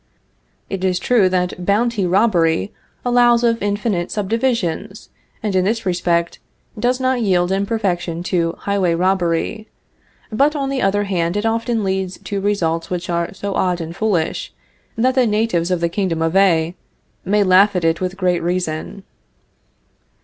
It is true that bounty robbery allows of infinite subdivisions, and in this respect does not yield in perfection to highway robbery, but on the other hand it often leads to results which are so odd and foolish, that the natives of the Kingdom of A may laugh at it with great reason.